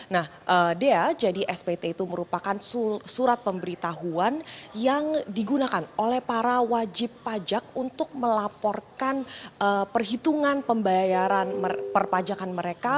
nah dea jadi spt itu merupakan surat pemberitahuan yang digunakan oleh para wajib pajak untuk melaporkan perhitungan pembayaran perpajakan mereka